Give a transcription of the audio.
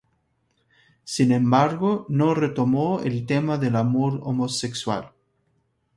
Sin embargo, no retomó el tema del amor homosexual.